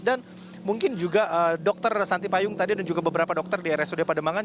dan mungkin juga dokter santi payung tadi dan juga beberapa dokter di rsud pademangan